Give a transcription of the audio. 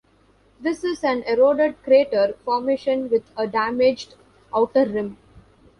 This is an eroded crater formation with a damaged outer rim.